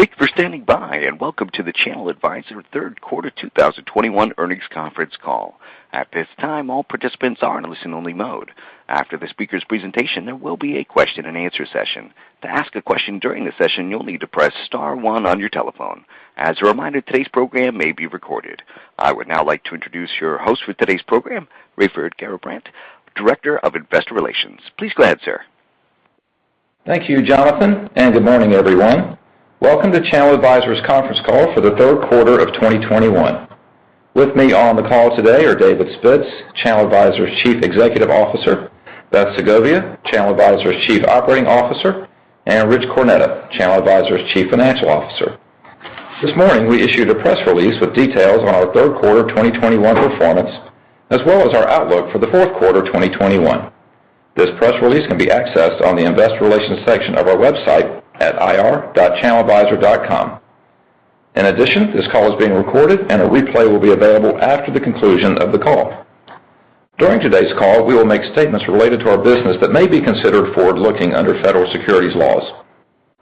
Thank you for standing by, and welcome to the ChannelAdvisor Q3 2021 earnings conference call. At this time, all participants are in a listen-only mode. After the speaker's presentation, there will be a question-and-answer session. To ask a question during the session, you'll need to press star one on your telephone. As a reminder, today's program may be recorded. I would now like to introduce your host for today's program, Raiford Garrabrant, Director of Investor Relations. Please go ahead, sir. Thank you, Jonathan, and good morning, everyone. Welcome to ChannelAdvisor's conference call for the Q3 of 2021. With me on the call today are David Spitz, ChannelAdvisor's Chief Executive Officer, Beth Segovia, ChannelAdvisor's Chief Operating Officer, and Rich Cornetta, ChannelAdvisor's Chief Financial Officer. This morning, we issued a press release with details on our Q3 2021 performance, as well as our outlook for the Q4 2021. This press release can be accessed on the investor relations section of our website at ir.channeladvisor.com. In addition, this call is being recorded, and a replay will be available after the conclusion of the call. During today's call, we will make statements related to our business that may be considered forward-looking under federal securities laws.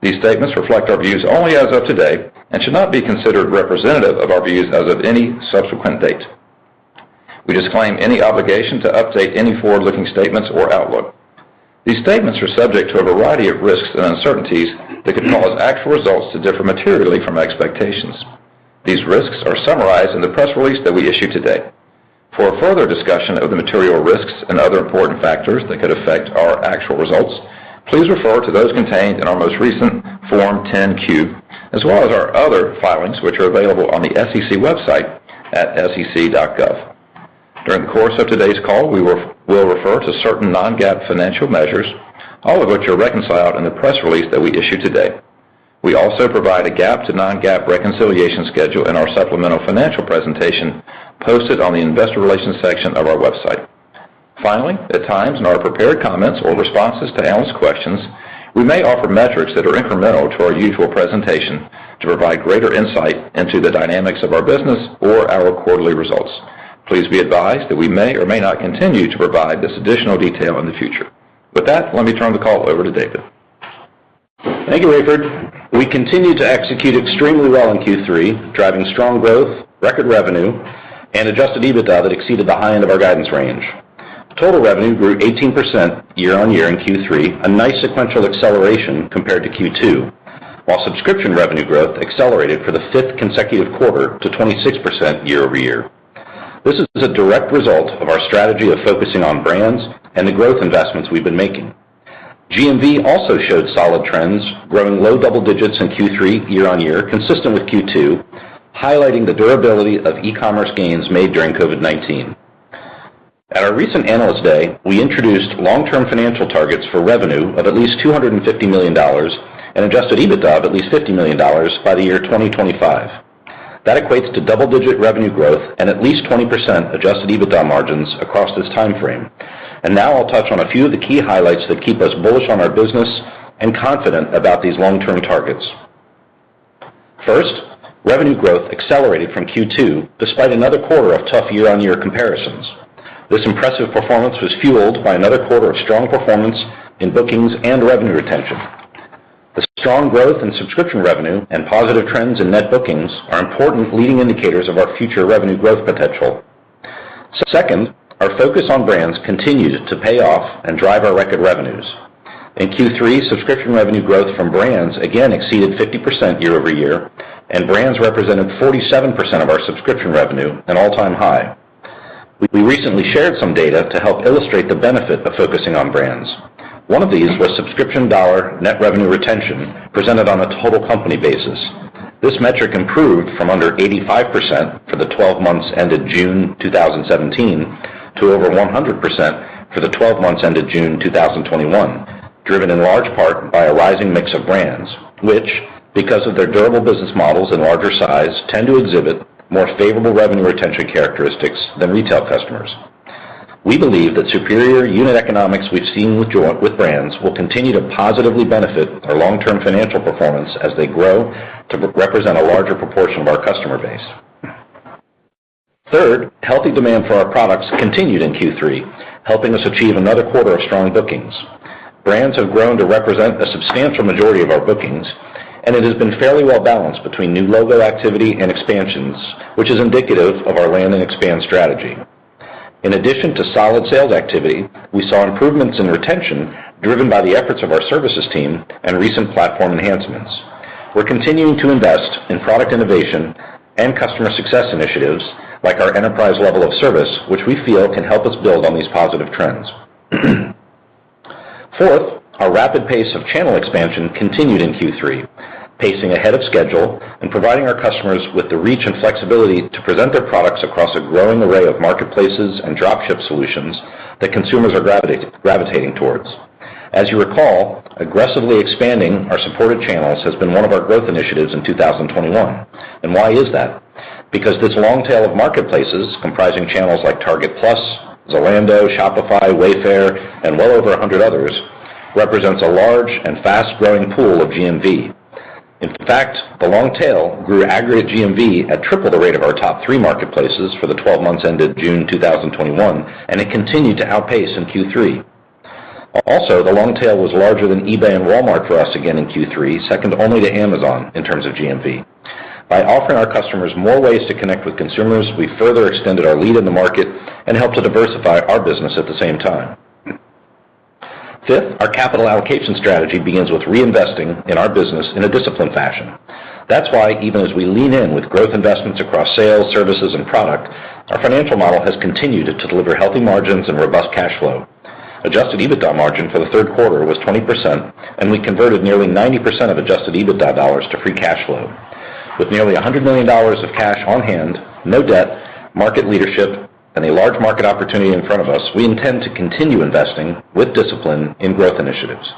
These statements reflect our views only as of today and should not be considered representative of our views as of any subsequent date. We disclaim any obligation to update any forward-looking statements or outlook. These statements are subject to a variety of risks and uncertainties that could cause actual results to differ materially from expectations. These risks are summarized in the press release that we issued today. For a further discussion of the material risks and other important factors that could affect our actual results, please refer to those contained in our most recent Form 10-Q as well as our other filings, which are available on the SEC website at sec.gov. During the course of today's call, we will refer to certain non-GAAP financial measures, all of which are reconciled in the press release that we issued today. We also provide a GAAP to non-GAAP reconciliation schedule in our supplemental financial presentation posted on the investor relations section of our website. Finally, at times in our prepared comments or responses to analyst questions, we may offer metrics that are incremental to our usual presentation to provide greater insight into the dynamics of our business or our quarterly results. Please be advised that we may or may not continue to provide this additional detail in the future. With that, let me turn the call over to David. Thank you, Raiford. We continued to execute extremely well in Q3, driving strong growth, record revenue, and adjusted EBITDA that exceeded the high end of our guidance range. Total revenue grew 18% year-over-year in Q3, a nice sequential acceleration compared to Q2, while subscription revenue growth accelerated for the fifth consecutive quarter to 26% year-over-year. This is a direct result of our strategy of focusing on brands and the growth investments we've been making. GMV also showed solid trends, growing low double digits in Q3 year-over-year, consistent with Q2, highlighting the durability of e-commerce gains made during COVID-19. At our recent Analyst Day, we introduced long-term financial targets for revenue of at least $250 million and adjusted EBITDA of at least $50 million by 2025. That equates to double-digit revenue growth and at least 20% adjusted EBITDA margins across this timeframe. Now I'll touch on a few of the key highlights that keep us bullish on our business and confident about these long-term targets. First, revenue growth accelerated from Q2 despite another quarter of tough year-over-year comparisons. This impressive performance was fueled by another quarter of strong performance in bookings and revenue retention. The strong growth in subscription revenue and positive trends in net bookings are important leading indicators of our future revenue growth potential. Second, our focus on brands continued to pay off and drive our record revenues. In Q3, subscription revenue growth from brands again exceeded 50% year-over-year, and brands represented 47% of our subscription revenue, an all-time high. We recently shared some data to help illustrate the benefit of focusing on brands. One of these was subscription dollar net revenue retention presented on a total company basis. This metric improved from under 85% for the 12 months ended June 2017 to over 100% for the 12 months ended June 2021, driven in large part by a rising mix of brands, which, because of their durable business models and larger size, tend to exhibit more favorable revenue retention characteristics than retail customers. We believe that superior unit economics we've seen with brands will continue to positively benefit our long-term financial performance as they grow to represent a larger proportion of our customer base. Third, healthy demand for our products continued in Q3, helping us achieve another quarter of strong bookings. Brands have grown to represent a substantial majority of our bookings, and it has been fairly well balanced between new logo activity and expansions, which is indicative of our land and expand strategy. In addition to solid sales activity, we saw improvements in retention driven by the efforts of our services team and recent platform enhancements. We're continuing to invest in product innovation and customer success initiatives like our enterprise level of service, which we feel can help us build on these positive trends. Fourth, our rapid pace of channel expansion continued in Q3, pacing ahead of schedule and providing our customers with the reach and flexibility to present their products across a growing array of marketplaces and dropship solutions that consumers are gravitating towards. As you recall, aggressively expanding our supported channels has been one of our growth initiatives in 2021. Why is that? Because this long tail of marketplaces comprising channels like Target+, Zalando, Shopify, Wayfair, and well over 100 others represents a large and fast-growing pool of GMV. In fact, the long tail grew aggregate GMV at triple the rate of our top 3 marketplaces for the 12 months ended June 2021, and it continued to outpace in Q3. Also, the long tail was larger than eBay and Walmart for us again in Q3, second only to Amazon in terms of GMV. By offering our customers more ways to connect with consumers, we further extended our lead in the market and helped to diversify our business at the same time. Fifth, our capital allocation strategy begins with reinvesting in our business in a disciplined fashion. That's why even as we lean in with growth investments across sales, services, and product, our financial model has continued to deliver healthy margins and robust cash flow. Adjusted EBITDA margin for the Q3 was 20%, and we converted nearly 90% of adjusted EBITDA dollars to free cash flow. With nearly $100 million of cash on hand, no debt, market leadership, and a large market opportunity in front of us, we intend to continue investing with discipline in growth initiatives.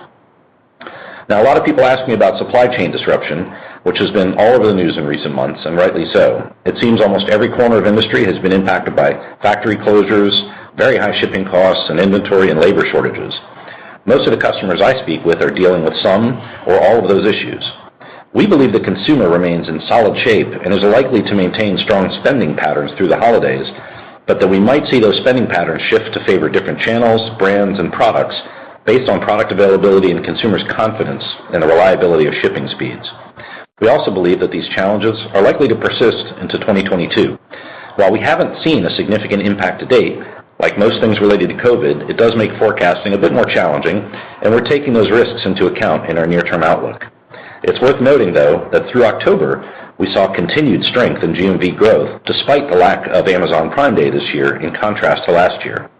Now, a lot of people ask me about supply chain disruption, which has been all over the news in recent months, and rightly so. It seems almost every corner of industry has been impacted by factory closures, very high shipping costs, and inventory and labor shortages. Most of the customers I speak with are dealing with some or all of those issues. We believe the consumer remains in solid shape and is likely to maintain strong spending patterns through the holidays, but that we might see those spending patterns shift to favor different channels, brands, and products based on product availability and consumers' confidence in the reliability of shipping speeds. We also believe that these challenges are likely to persist into 2022. While we haven't seen a significant impact to date, like most things related to COVID, it does make forecasting a bit more challenging, and we're taking those risks into account in our near-term outlook. It's worth noting, though, that through October, we saw continued strength in GMV growth despite the lack of Amazon Prime Day this year, in contrast to last year.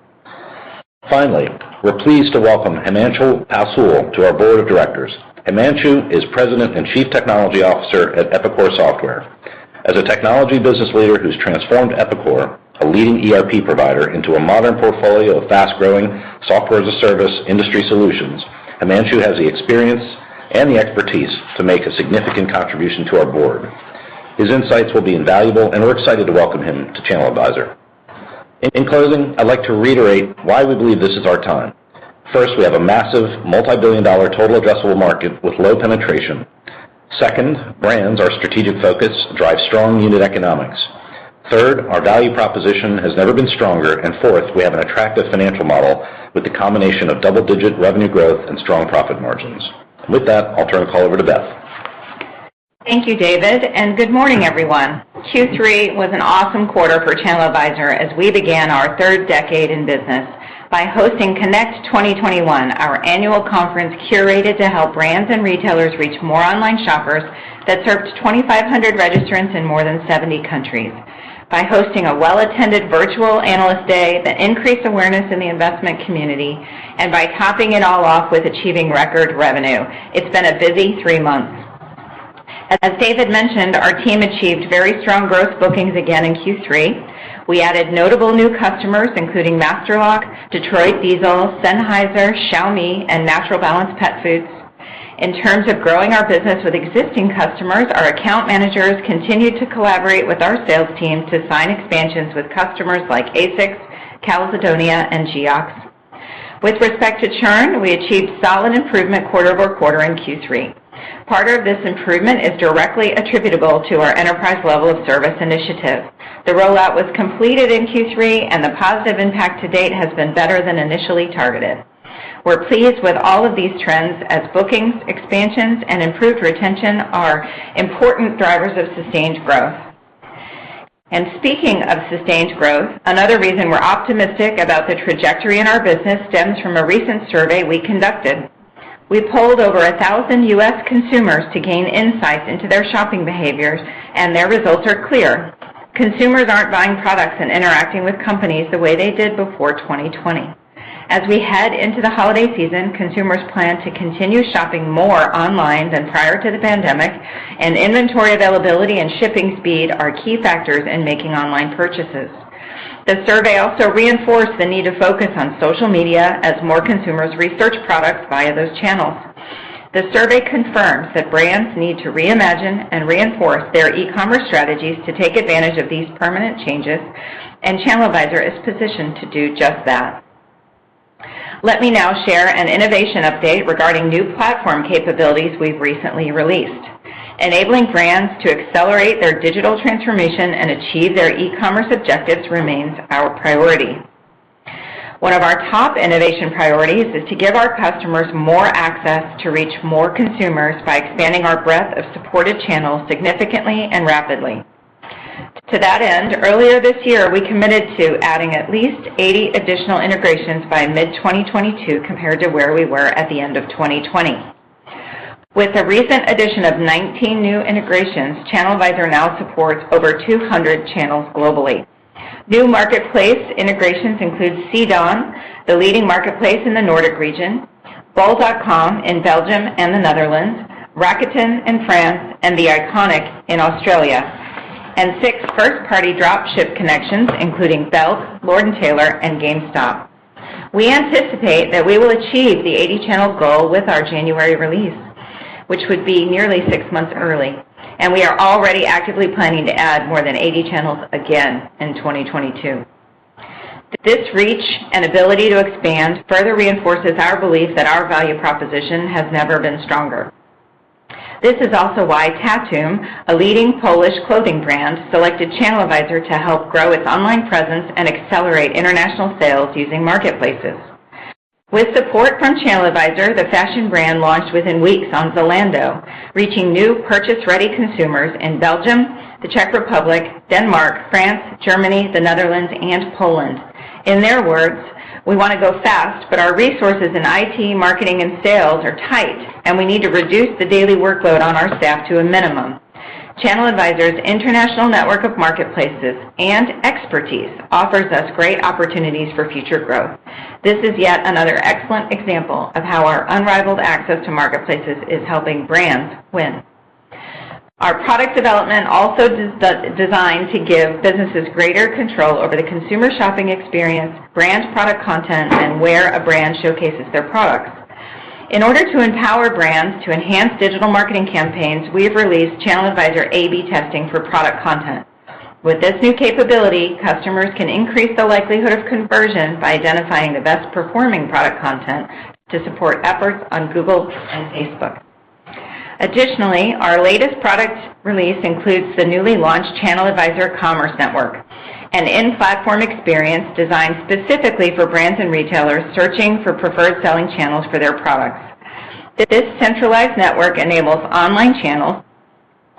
Finally, we're pleased to welcome Himanshu Palsule to our board of directors. Himanshu is President and Chief Technology Officer at Epicor Software. As a technology business leader who's transformed Epicor, a leading ERP provider, into a modern portfolio of fast-growing software-as-a-service industry solutions, Himanshu has the experience and the expertise to make a significant contribution to our board. His insights will be invaluable, and we're excited to welcome him to ChannelAdvisor. In closing, I'd like to reiterate why we believe this is our time. First, we have a massive multibillion-dollar total addressable market with low penetration. Second, brands, our strategic focus, drive strong unit economics. Third, our value proposition has never been stronger. Fourth, we have an attractive financial model with a combination of double-digit revenue growth and strong profit margins. With that, I'll turn the call over to Beth. Thank you, David, and good morning, everyone. Q3 was an awesome quarter for ChannelAdvisor as we began our third decade in business by hosting Connect 2021, our annual conference curated to help brands and retailers reach more online shoppers that served 2,500 registrants in more than 70 countries. By hosting a well-attended virtual Analyst Day that increased awareness in the investment community, and by topping it all off with achieving record revenue, it's been a busy three months. As David mentioned, our team achieved very strong growth bookings again in Q3. We added notable new customers, including Master Lock, Detroit Diesel, Sennheiser, Xiaomi, and Natural Balance Pet Foods. In terms of growing our business with existing customers, our account managers continued to collaborate with our sales team to sign expansions with customers like ASICS, Calzedonia, and Geox. With respect to churn, we achieved solid improvement quarter over quarter in Q3. Part of this improvement is directly attributable to our enterprise level of service initiative. The rollout was completed in Q3, and the positive impact to date has been better than initially targeted. We're pleased with all of these trends as bookings, expansions, and improved retention are important drivers of sustained growth. Speaking of sustained growth, another reason we're optimistic about the trajectory in our business stems from a recent survey we conducted. We polled over 1,000 U.S. consumers to gain insights into their shopping behaviors, and their results are clear. Consumers aren't buying products and interacting with companies the way they did before 2020. As we head into the holiday season, consumers plan to continue shopping more online than prior to the pandemic, and inventory availability and shipping speed are key factors in making online purchases. The survey also reinforced the need to focus on social media as more consumers research products via those channels. The survey confirms that brands need to reimagine and reinforce their e-commerce strategies to take advantage of these permanent changes, and ChannelAdvisor is positioned to do just that. Let me now share an innovation update regarding new platform capabilities we've recently released. Enabling brands to accelerate their digital transformation and achieve their e-commerce objectives remains our priority. One of our top innovation priorities is to give our customers more access to reach more consumers by expanding our breadth of supported channels significantly and rapidly. To that end, earlier this year, we committed to adding at least 80 additional integrations by mid-2022 compared to where we were at the end of 2020. With the recent addition of 19 new integrations, ChannelAdvisor now supports over 200 channels globally. New marketplace integrations include CDON, the leading marketplace in the Nordic region, bol.com in Belgium and the Netherlands, Rakuten in France, and The Iconic in Australia, and six first-party dropship connections, including Belk, Lord & Taylor, and GameStop. We anticipate that we will achieve the 80-channel goal with our January release, which would be nearly six months early, and we are already actively planning to add more than 80 channels again in 2022. This reach and ability to expand further reinforces our belief that our value proposition has never been stronger. This is also why Tatuum, a leading Polish clothing brand, selected ChannelAdvisor to help grow its online presence and accelerate international sales using marketplaces. With support from ChannelAdvisor, the fashion brand launched within weeks on Zalando, reaching new purchase-ready consumers in Belgium, the Czech Republic, Denmark, France, Germany, the Netherlands, and Poland. In their words, "We want to go fast, but our resources in IT, marketing, and sales are tight, and we need to reduce the daily workload on our staff to a minimum. ChannelAdvisor's international network of marketplaces and expertise offers us great opportunities for future growth." This is yet another excellent example of how our unrivaled access to marketplaces is helping brands win. Our product development also designed to give businesses greater control over the consumer shopping experience, brand product content, and where a brand showcases their products. In order to empower brands to enhance digital marketing campaigns, we have released ChannelAdvisor A/B testing for product content. With this new capability, customers can increase the likelihood of conversion by identifying the best-performing product content to support efforts on Google and Facebook. Additionally, our latest product release includes the newly launched ChannelAdvisor Commerce Network, an in-platform experience designed specifically for brands and retailers searching for preferred selling channels for their products. This centralized network enables online channels,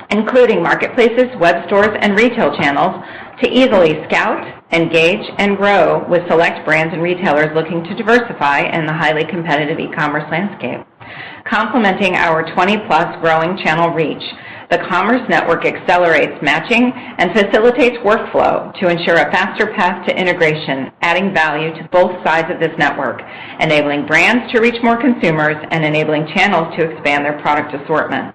including marketplaces, web stores, and retail channels, to easily scout, engage, and grow with select brands and retailers looking to diversify in the highly competitive e-commerce landscape. Complementing our 20+ growing channel reach, the Commerce Network accelerates matching and facilitates workflow to ensure a faster path to integration, adding value to both sides of this network, enabling brands to reach more consumers and enabling channels to expand their product assortment.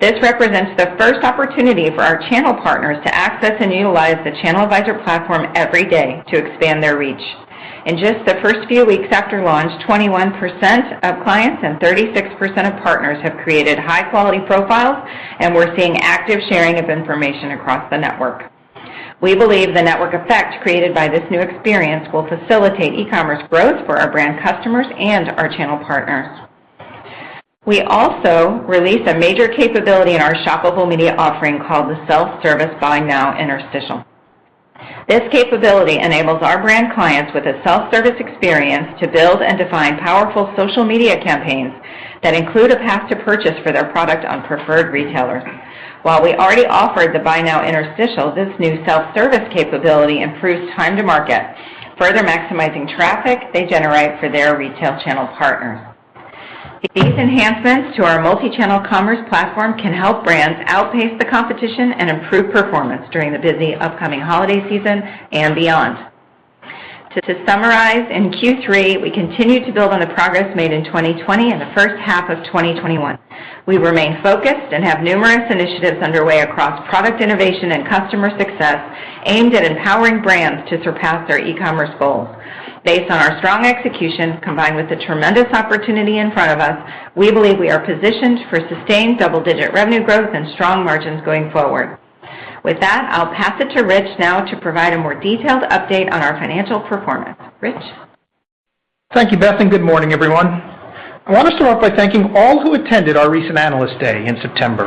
This represents the first opportunity for our channel partners to access and utilize the ChannelAdvisor platform every day to expand their reach. In just the first few weeks after launch, 21% of clients and 36% of partners have created high-quality profiles, and we're seeing active sharing of information across the network. We believe the network effect created by this new experience will facilitate e-commerce growth for our brand customers and our channel partners. We also released a major capability in our Shoppable Media offering called the Self-Service Buy Now Interstitial. This capability enables our brand clients with a self-service experience to build and define powerful social media campaigns that include a path to purchase for their product on preferred retailers. While we already offered the Buy Now Interstitial, this new self-service capability improves time to market, further maximizing traffic they generate for their retail channel partners. These enhancements to our multi-channel commerce platform can help brands outpace the competition and improve performance during the busy upcoming holiday season and beyond. To summarize, in Q3, we continued to build on the progress made in 2020 and the first half of 2021. We remain focused and have numerous initiatives underway across product innovation and customer success aimed at empowering brands to surpass their e-commerce goals. Based on our strong execution, combined with the tremendous opportunity in front of us, we believe we are positioned for sustained double-digit revenue growth and strong margins going forward. With that, I'll pass it to Rich now to provide a more detailed update on our financial performance. Rich? Thank you, Beth, and good morning, everyone. I want to start off by thanking all who attended our recent Analyst Day in September.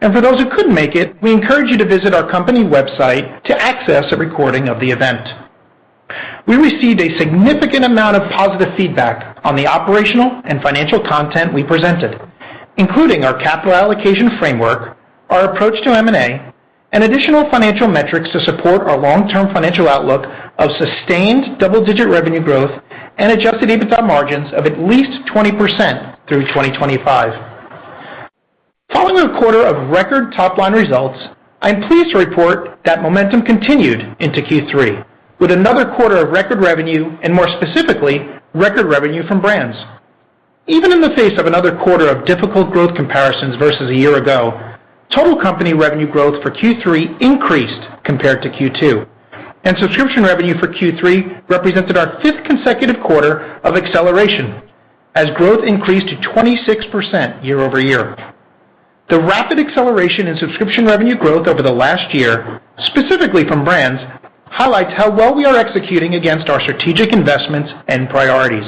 For those who couldn't make it, we encourage you to visit our company website to access a recording of the event. We received a significant amount of positive feedback on the operational and financial content we presented, including our capital allocation framework, our approach to M&A, and additional financial metrics to support our long-term financial outlook of sustained double-digit revenue growth and adjusted EBITDA margins of at least 20% through 2025. Following a quarter of record top-line results, I'm pleased to report that momentum continued into Q3, with another quarter of record revenue and, more specifically, record revenue from brands. Even in the face of another quarter of difficult growth comparisons versus a year ago, total company revenue growth for Q3 increased compared to Q2, and subscription revenue for Q3 represented our fifth consecutive quarter of acceleration as growth increased to 26% year over year. The rapid acceleration in subscription revenue growth over the last year, specifically from brands, highlights how well we are executing against our strategic investments and priorities.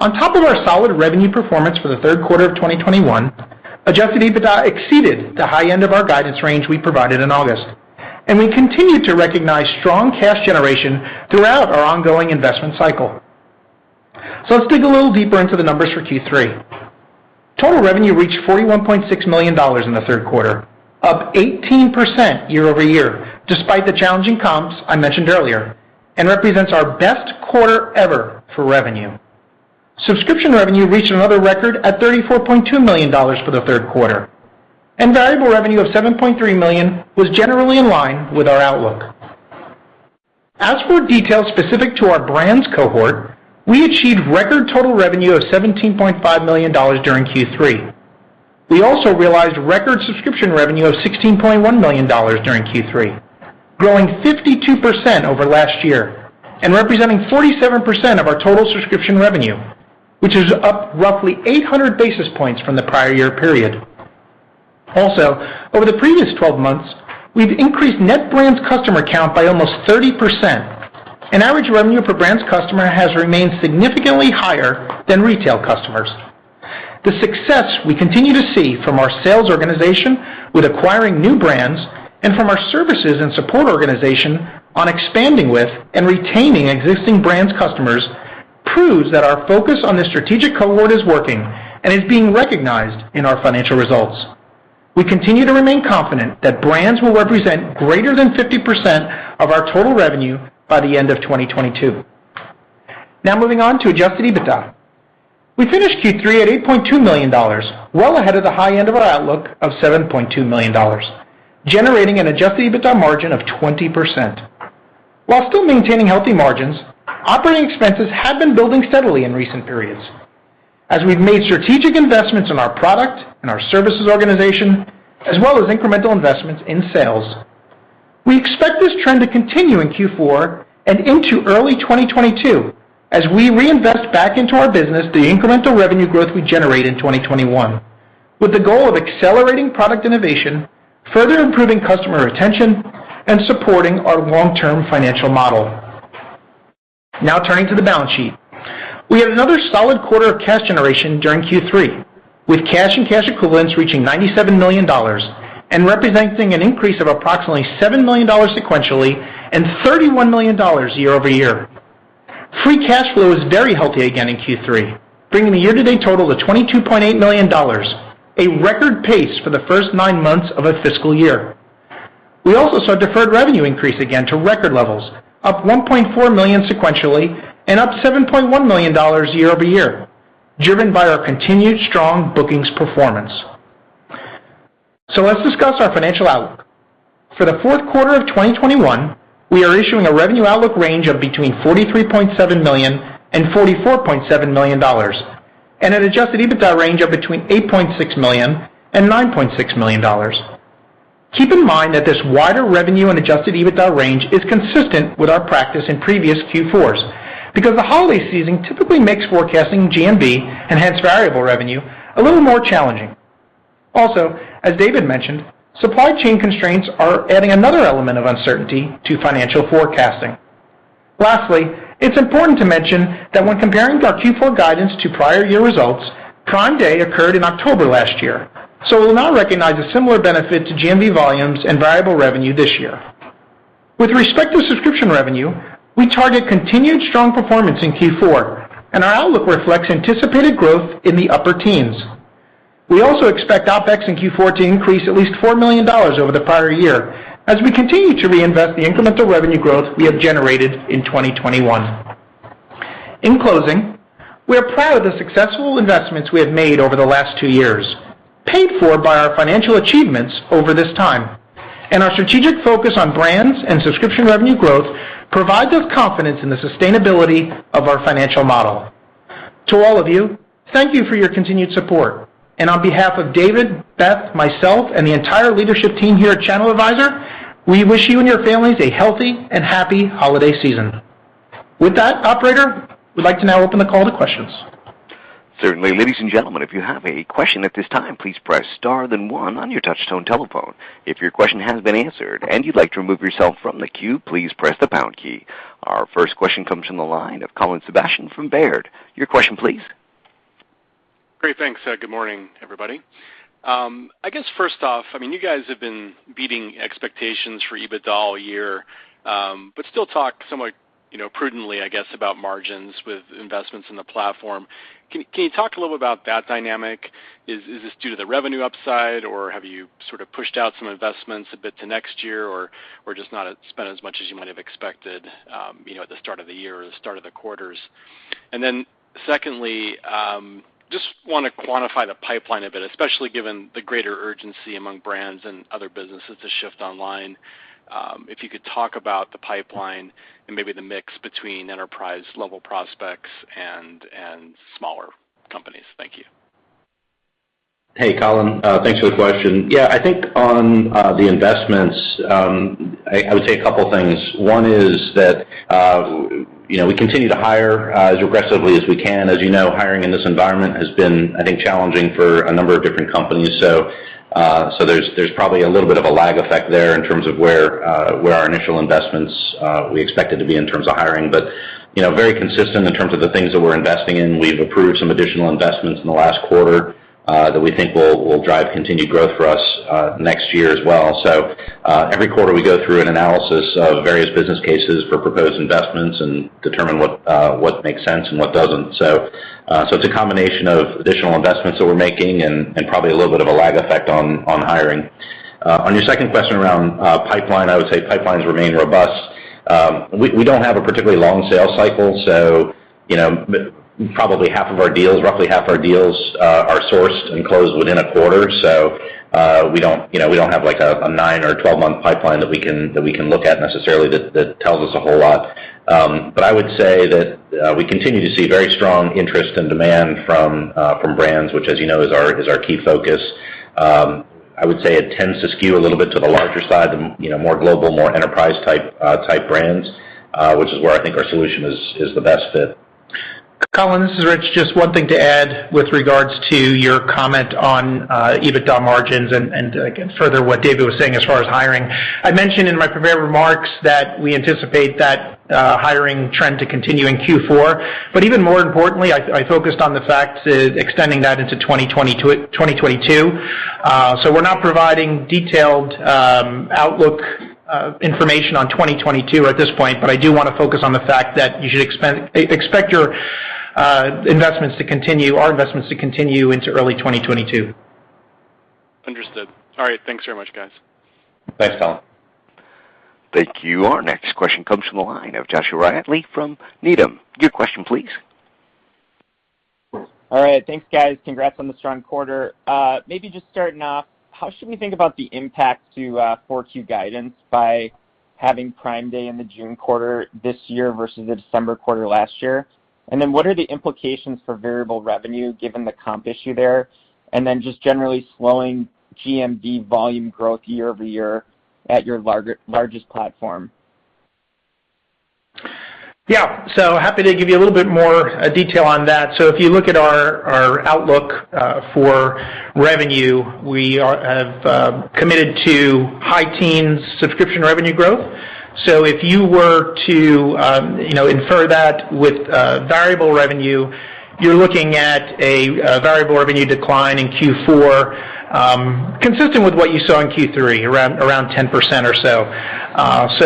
On top of our solid revenue performance for the Q3 of 2021, adjusted EBITDA exceeded the high end of our guidance range we provided in August, and we continue to recognize strong cash generation throughout our ongoing investment cycle. Let's dig a little deeper into the numbers for Q3. Total revenue reached $41.6 million in the Q3, up 18% year-over-year, despite the challenging comps I mentioned earlier, and represents our best quarter ever for revenue. Subscription revenue reached another record at $34.2 million for the Q3, and variable revenue of $7.3 million was generally in line with our outlook. As for details specific to our brands cohort, we achieved record total revenue of $17.5 million during Q3. We also realized record subscription revenue of $16.1 million during Q3, growing 52% over last year and representing 47% of our total subscription revenue, which is up roughly 800 basis points from the prior year period. Also, over the previous 12 months, we've increased net brands customer count by almost 30%, and average revenue per brands customer has remained significantly higher than retail customers. The success we continue to see from our sales organization with acquiring new brands and from our services and support organization on expanding with and retaining existing brands customers proves that our focus on the strategic cohort is working and is being recognized in our financial results. We continue to remain confident that brands will represent greater than 50% of our total revenue by the end of 2022. Now moving on to adjusted EBITDA. We finished Q3 at $8.2 million, well ahead of the high end of our outlook of $7.2 million, generating an adjusted EBITDA margin of 20%. While still maintaining healthy margins, operating expenses have been building steadily in recent periods as we've made strategic investments in our product and our services organization, as well as incremental investments in sales. We expect this trend to continue in Q4 and into early 2022 as we reinvest back into our business the incremental revenue growth we generate in 2021, with the goal of accelerating product innovation, further improving customer retention, and supporting our long-term financial model. Now turning to the balance sheet. We had another solid quarter of cash generation during Q3, with cash and cash equivalents reaching $97 million and representing an increase of approximately $7 million sequentially and $31 million year-over-year. Free cash flow is very healthy again in Q3, bringing the year-to-date total to $22.8 million, a record pace for the first nine months of a fiscal year. We also saw deferred revenue increase again to record levels, up $1.4 million sequentially and up $7.1 million year-over-year, driven by our continued strong bookings performance. Let's discuss our financial outlook. For the Q4 of 2021, we are issuing a revenue outlook range of between $43.7 million and $44.7 million and an adjusted EBITDA range of between $8.6 million and $9.6 million. Keep in mind that this wider revenue and adjusted EBITDA range is consistent with our practice in previous Q4s because the holiday season typically makes forecasting GMV, and hence variable revenue, a little more challenging. Also, as David mentioned, supply chain constraints are adding another element of uncertainty to financial forecasting. Lastly, it's important to mention that when comparing our Q4 guidance to prior year results, Prime Day occurred in October last year, so we'll now recognize a similar benefit to GMV volumes and variable revenue this year. With respect to subscription revenue, we target continued strong performance in Q4, and our outlook reflects anticipated growth in the upper teens%. We also expect OpEx in Q4 to increase at least $4 million over the prior year as we continue to reinvest the incremental revenue growth we have generated in 2021. In closing, we are proud of the successful investments we have made over the last two years, paid for by our financial achievements over this time. Our strategic focus on brands and subscription revenue growth provides us confidence in the sustainability of our financial model. To all of you, thank you for your continued support. On behalf of David, Beth, myself, and the entire leadership team here at ChannelAdvisor, we wish you and your families a healthy and happy holiday season. With that, operator, we'd like to now open the call to questions. Certainly. Ladies and gentlemen, if you have a question at this time, please press star then one on your touch tone telephone. If your question has been answered and you'd like to remove yourself from the queue, please press the pound key. Our first question comes from the line of Colin Sebastian from Baird. Your question, please. Great. Thanks. Good morning, everybody. I guess first off, I mean, you guys have been beating expectations for EBITDA all year, but still talk somewhat, you know, prudently, I guess, about margins with investments in the platform. Can you talk a little bit about that dynamic? Is this due to the revenue upside, or have you sort of pushed out some investments a bit to next year or just not spent as much as you might have expected, you know, at the start of the year or the start of the quarters? Secondly, just wanna quantify the pipeline a bit, especially given the greater urgency among brands and other businesses to shift online. If you could talk about the pipeline and maybe the mix between enterprise-level prospects and smaller companies. Thank you. Hey, Colin. Thanks for the question. Yeah, I think on the investments, I would say a couple things. One is that you know, we continue to hire as aggressively as we can. As you know, hiring in this environment has been, I think, challenging for a number of different companies. There's probably a little bit of a lag effect there in terms of where our initial investments we expected to be in terms of hiring. You know, very consistent in terms of the things that we're investing in. We've approved some additional investments in the last quarter that we think will drive continued growth for us next year as well. Every quarter, we go through an analysis of various business cases for proposed investments and determine what makes sense and what doesn't. It's a combination of additional investments that we're making and probably a little bit of a lag effect on hiring. On your second question around pipeline, I would say pipelines remain robust. We don't have a particularly long sales cycle, so you know, probably half of our deals, roughly half our deals, are sourced and closed within a quarter. We don't, you know, we don't have, like, a 9 or a 12-month pipeline that we can look at necessarily that tells us a whole lot. I would say that we continue to see very strong interest and demand from brands, which as you know is our key focus. I would say it tends to skew a little bit to the larger side and, you know, more global, more enterprise type brands, which is where I think our solution is the best fit. Colin, this is Rich. Just one thing to add with regards to your comment on EBITDA margins and again, further what David was saying as far as hiring. I mentioned in my prepared remarks that we anticipate that hiring trend to continue in Q4. Even more importantly, I focused on the fact that it's extending that into 2022. We're not providing detailed outlook information on 2022 at this point, but I do wanna focus on the fact that you should expect our investments to continue into early 2022. Understood. All right. Thanks very much, guys. Thanks, Colin. Thank you. Our next question comes from the line of Joshua Reilly from Needham. Your question please. All right. Thanks, guys. Congrats on the strong quarter. Maybe just starting off, how should we think about the impact to Q4 guidance by having Prime Day in the June quarter this year versus the December quarter last year? What are the implications for variable revenue given the comp issue there? Just generally slowing GMV volume growth year over year at your largest platform. Yeah. Happy to give you a little bit more detail on that. If you look at our outlook for revenue, we have committed to high teens subscription revenue growth. If you were to, you know, infer that with variable revenue, you're looking at a variable revenue decline in Q4, consistent with what you saw in Q3, around 10% or so.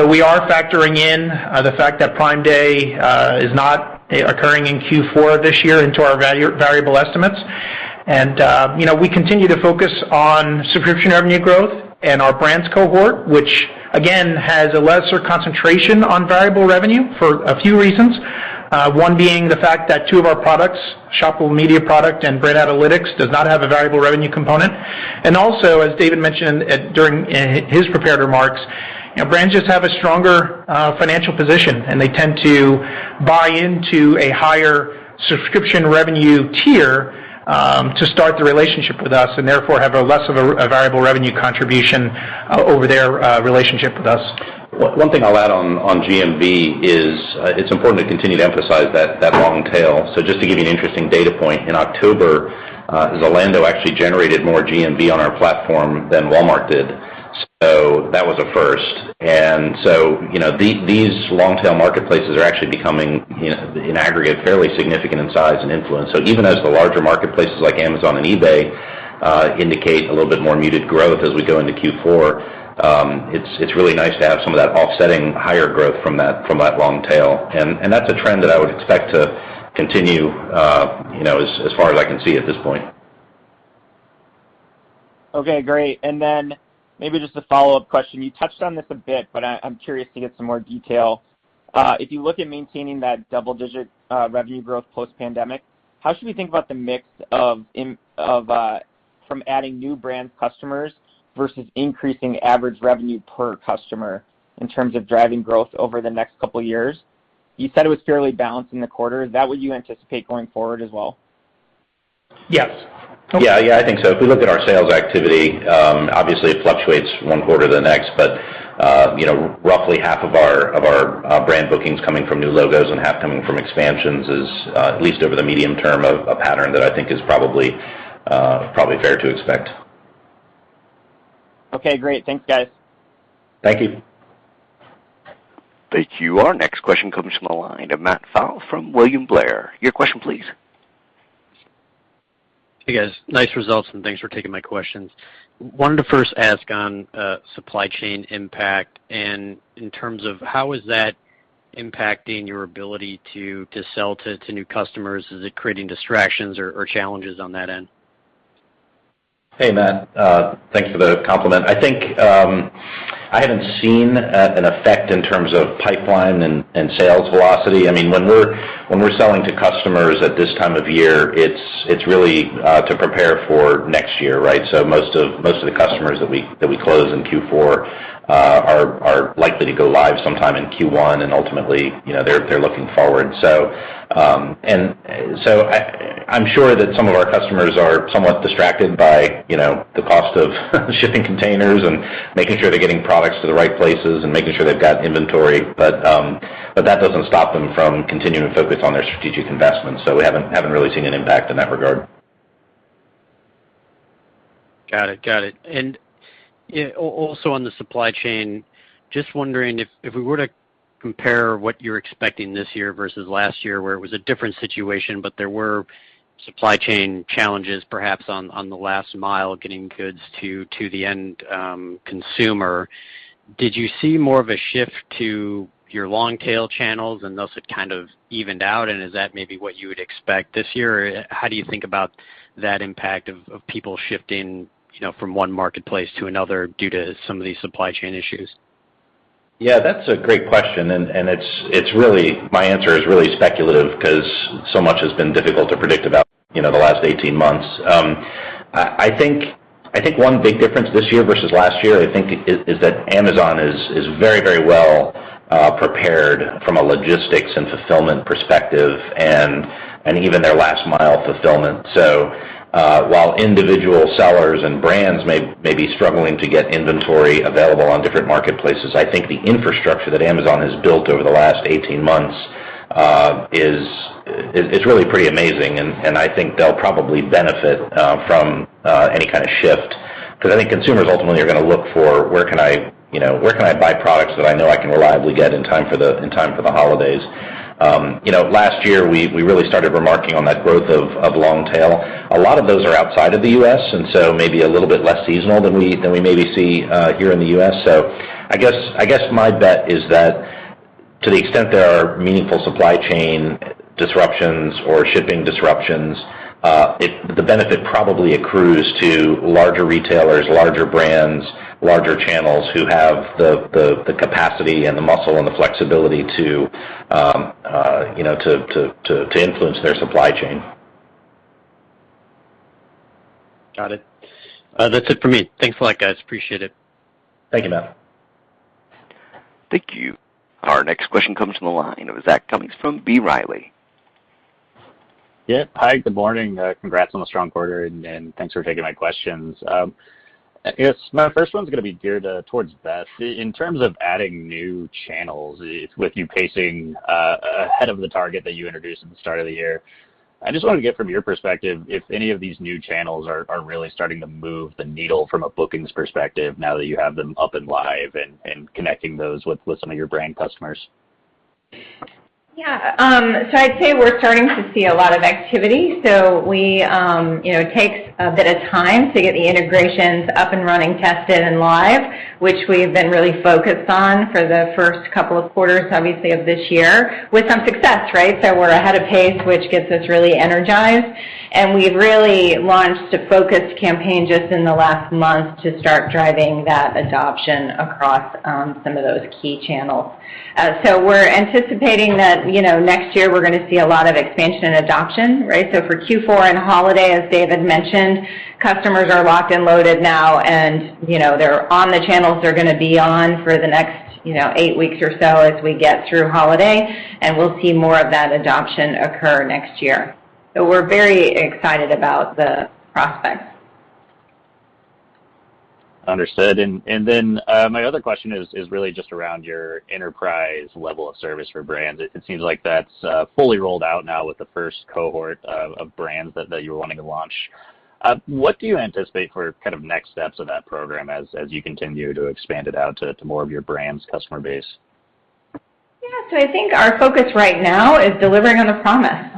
We are factoring in the fact that Prime Day is not occurring in Q4 this year into our variable estimates. You know, we continue to focus on subscription revenue growth and our brands cohort, which again, has a lesser concentration on variable revenue for a few reasons. One being the fact that two of our products, Shoppable Media product and Brand Analytics, does not have a variable revenue component. As David mentioned in his prepared remarks, you know, branches have a stronger financial position, and they tend to buy into a higher subscription revenue tier to start the relationship with us, and therefore, have less of a variable revenue contribution over their relationship with us. One thing I'll add on GMV is, it's important to continue to emphasize that long tail. Just to give you an interesting data point, in October, Zalando actually generated more GMV on our platform than Walmart did. That was a first. You know, these long tail marketplaces are actually becoming, you know, in aggregate, fairly significant in size and influence. Even as the larger marketplaces like Amazon and eBay indicate a little bit more muted growth as we go into Q4, it's really nice to have some of that offsetting higher growth from that long tail. That's a trend that I would expect to continue, you know, as far as I can see at this point. Okay, great. Maybe just a follow-up question. You touched on this a bit, but I'm curious to get some more detail. If you look at maintaining that double-digit revenue growth post-pandemic, how should we think about the mix from adding new brand customers versus increasing average revenue per customer in terms of driving growth over the next couple of years? You said it was fairly balanced in the quarter. Is that what you anticipate going forward as well? Yes. Yeah. I think so. If we look at our sales activity, obviously, it fluctuates one quarter to the next. You know, roughly half of our brand bookings coming from new logos and half coming from expansions is, at least over the medium term, a pattern that I think is probably fair to expect. Okay, great. Thanks, guys. Thank you. Thank you. Our next question comes from the line of Matt Pfau from William Blair. Your question, please. Hey, guys. Nice results, and thanks for taking my questions. Wanted to first ask on supply chain impact and in terms of how is that impacting your ability to sell to new customers, is it creating distractions or challenges on that end? Hey, Matt. Thanks for the compliment. I think I haven't seen an effect in terms of pipeline and sales velocity. I mean, when we're selling to customers at this time of year, it's really to prepare for next year, right? Most of the customers that we close in Q4 are likely to go live sometime in Q1, and ultimately, you know, they're looking forward. I'm sure that some of our customers are somewhat distracted by, you know, the cost of shipping containers and making sure they're getting products to the right places and making sure they've got inventory. That doesn't stop them from continuing to focus on their strategic investments. We haven't really seen an impact in that regard. Got it. Yeah, also on the supply chain, just wondering if we were to compare what you're expecting this year versus last year, where it was a different situation, but there were supply chain challenges, perhaps on the last mile, getting goods to the end consumer. Did you see more of a shift to your long tail channels and those have kind of evened out? Is that maybe what you would expect this year? How do you think about that impact of people shifting, you know, from one marketplace to another due to some of these supply chain issues? Yeah, that's a great question. My answer is really speculative 'cause so much has been difficult to predict about, you know, the last 18 months. I think one big difference this year versus last year is that Amazon is very well prepared from a logistics and fulfillment perspective and even their last mile fulfillment. While individual sellers and brands may be struggling to get inventory available on different marketplaces, I think the infrastructure that Amazon has built over the last 18 months is really pretty amazing, and I think they'll probably benefit from any kind of shift. 'Cause I think consumers ultimately are gonna look for where can I, you know, where can I buy products that I know I can reliably get in time for the holidays. You know, last year, we really started remarketing on that growth of long tail. A lot of those are outside of the U.S., and so maybe a little bit less seasonal than we maybe see here in the U.S. I guess my bet is that to the extent there are meaningful supply chain disruptions or shipping disruptions, the benefit probably accrues to larger retailers, larger brands, larger channels who have the capacity and the muscle and the flexibility to, you know, to influence their supply chain. Got it. That's it for me. Thanks a lot, guys. Appreciate it. Thank you, Matt. Thank you. Our next question comes from the line of Zach Cummins from B. Riley. Yeah. Hi, good morning. Congrats on a strong quarter and thanks for taking my questions. I guess my first one's gonna be geared towards Beth. In terms of adding new channels with you pacing ahead of the target that you introduced at the start of the year, I just wanna get from your perspective if any of these new channels are really starting to move the needle from a bookings perspective now that you have them up and live and connecting those with some of your brand customers. Yeah. I'd say we're starting to see a lot of activity. We, you know, takes a bit of time to get the integrations up and running, tested and live, which we've been really focused on for the first couple of quarters obviously of this year with some success, right? We're ahead of pace, which gets us really energized. We've really launched a focused campaign just in the last month to start driving that adoption across, some of those key channels. We're anticipating that, you know, next year we're gonna see a lot of expansion and adoption, right? For Q4 and holiday, as David mentioned, customers are locked and loaded now and, you know, they're on the channels they're gonna be on for the next, you know, eight weeks or so as we get through holiday, and we'll see more of that adoption occur next year. We're very excited about the prospects. Understood. My other question is really just around your enterprise level of service for brands. It seems like that's fully rolled out now with the first cohort of brands that you're wanting to launch. What do you anticipate for kind of next steps of that program as you continue to expand it out to more of your brand's customer base? Yeah. I think our focus right now is delivering on a promise.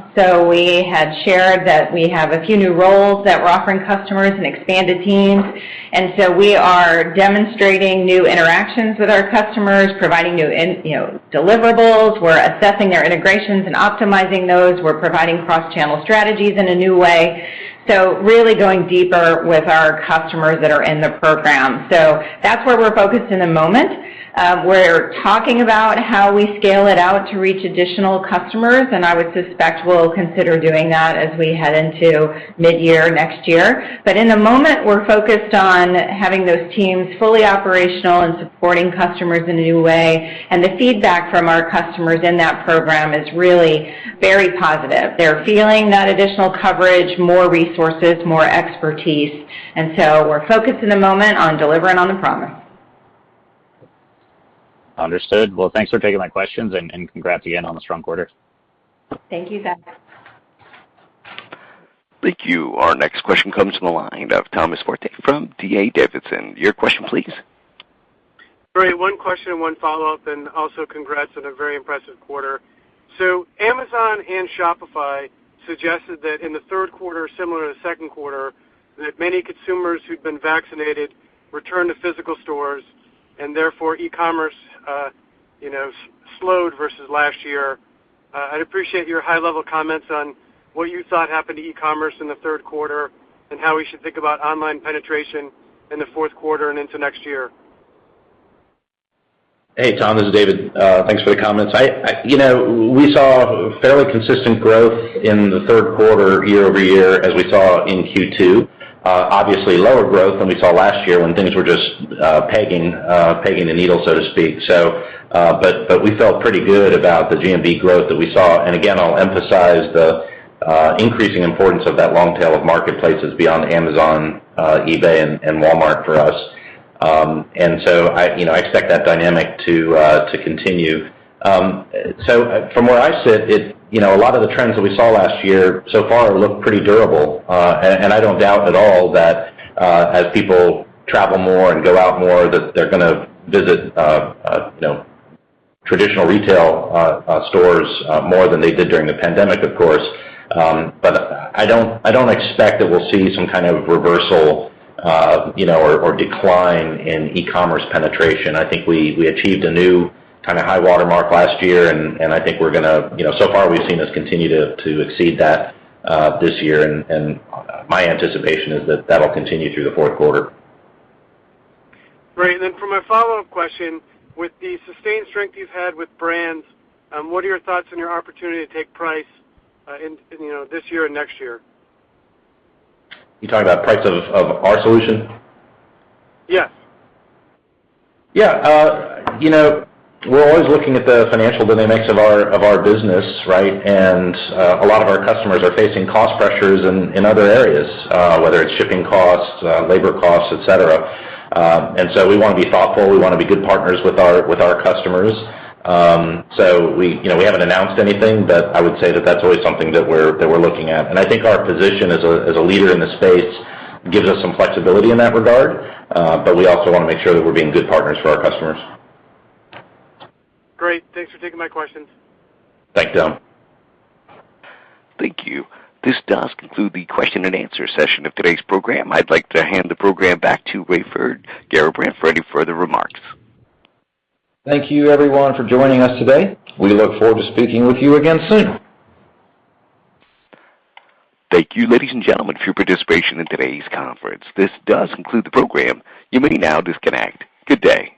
We had shared that we have a few new roles that we're offering customers and expanded teams. We are demonstrating new interactions with our customers, providing new you know, deliverables. We're assessing their integrations and optimizing those. We're providing cross-channel strategies in a new way. Really going deeper with our customers that are in the program. That's where we're focused in the moment. We're talking about how we scale it out to reach additional customers, and I would suspect we'll consider doing that as we head into midyear next year. In the moment, we're focused on having those teams fully operational and supporting customers in a new way. The feedback from our customers in that program is really very positive. They're feeling that additional coverage, more resources, more expertise. We're focused in the moment on delivering on the promise. Understood. Well, thanks for taking my questions, and congrats again on the strong quarter. Thank you, Zach. Thank you. Our next question comes from the line of Thomas Forte from D.A. Davidson. Your question please. Great. One question and one follow-up, and also congrats on a very impressive quarter. So Amazon and Shopify suggested that in the Q3, similar to the Q2, that many consumers who'd been vaccinated returned to physical stores and therefore e-commerce, you know, slowed versus last year. I'd appreciate your high level comments on what you thought happened to e-commerce in the Q3 and how we should think about online penetration in the Q4 and into next year. Hey, Tom, this is David. Thanks for the comments. I. You know, we saw fairly consistent growth in the Q3 year over year as we saw in Q2. Obviously lower growth than we saw last year when things were just pegging the needle, so to speak. We felt pretty good about the GMV growth that we saw. Again, I'll emphasize the increasing importance of that long tail of marketplaces beyond Amazon, eBay, and Walmart for us. I, you know, expect that dynamic to continue. From where I sit, you know, a lot of the trends that we saw last year so far look pretty durable. I don't doubt at all that as people travel more and go out more, that they're gonna visit, you know, traditional retail stores more than they did during the pandemic, of course. I don't expect that we'll see some kind of reversal, you know, or decline in e-commerce penetration. I think we achieved a new kinda high water mark last year, and I think we're gonna, you know, so far we've seen this continue to exceed that, this year. My anticipation is that that'll continue through the Q4. Great. For my follow-up question, with the sustained strength you've had with brands, what are your thoughts on your opportunity to take price, in, you know, this year and next year? You talking about price of our solution? Yes. Yeah. You know, we're always looking at the financial dynamics of our business, right? A lot of our customers are facing cost pressures in other areas, whether it's shipping costs, labor costs, et cetera. We wanna be thoughtful. We wanna be good partners with our customers. You know, we haven't announced anything, but I would say that that's always something that we're looking at. I think our position as a leader in this space gives us some flexibility in that regard, but we also wanna make sure that we're being good partners for our customers. Great. Thanks for taking my questions. Thanks, Tom. Thank you. This does conclude the question and answer session of today's program. I'd like to hand the program back to Raiford Garrabrant for any further remarks. Thank you everyone for joining us today. We look forward to speaking with you again soon. Thank you, ladies and gentlemen, for your participation in today's conference. This does conclude the program. You may now disconnect. Good day.